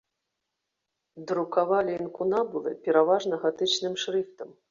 Друкавалі інкунабулы пераважна гатычным шрыфтам.